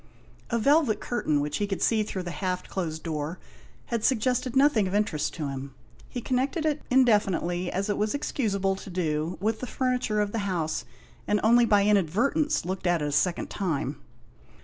A velvet curtain which he could see through the half closed door had suggested nothing of interest to him. He connected it indefinitely, as it was excusable to do, with the furniture of the house, and only by inadvertence looked at it a second time.